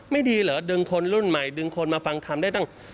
ดีเหรอดึงคนรุ่นใหม่ดึงคนมาฟังทำได้ตั้ง